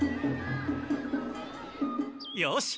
よし！